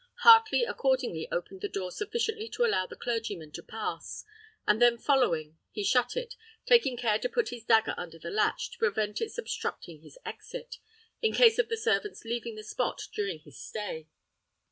Heartley accordingly opened the door sufficiently to allow the clergyman to pass, and then following, he shut it, taking care to put his dagger under the latch, to prevent its obstructing his exit, in case of the servants' leaving the spot during his stay.